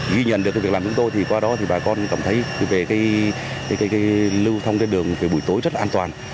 ghi nhận được cái việc làm của chúng tôi thì qua đó thì bà con cảm thấy về cái lưu thông đường về buổi tối rất là an toàn